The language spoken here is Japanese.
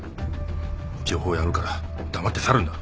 情報やるから黙って去るんだ。